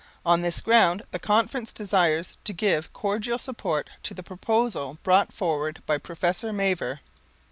On this ground the Conference desires to give cordial support to the proposal brought forward by Professor Mavor."